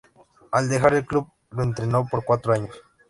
Al dejar el club lo entrenó por cuatro años.